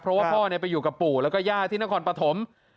เพราะว่าพ่อไปอยู่กับปู่แล้วก็ย่าที่นครปฐม